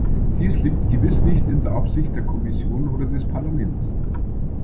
Dies liegt gewiss nicht in der Absicht der Kommission oder des Parlaments.